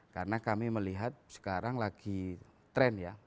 karena kami melihat sekarang lagi trend ya